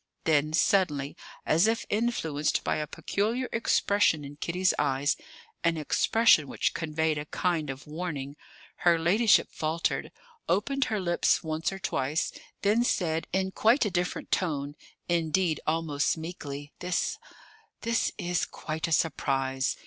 Then, suddenly, as if influenced by a peculiar expression in Kitty's eyes, an expression which conveyed a kind of warning, her ladyship faltered, opened her lips once or twice, then said, in quite a different tone, indeed, almost meekly: "This this is quite a surprise.